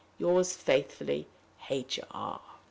Yours faithfully, H. R."